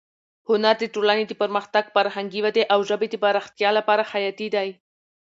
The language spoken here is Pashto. هنر د ټولنې د پرمختګ، فرهنګي ودې او ژبې د پراختیا لپاره حیاتي دی.